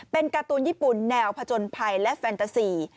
เป็นการ์ตูนญี่ปุ่นแนวผจญภัยและแฟนตาซี